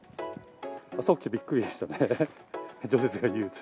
朝起きてびっくりでしたね。